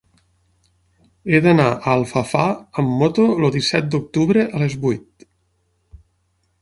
He d'anar a Alfafar amb moto el disset d'octubre a les vuit.